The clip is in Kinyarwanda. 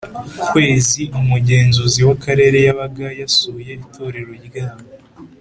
Kwezi umugenzuzi w akarere yabaga yasuye itorero ryabo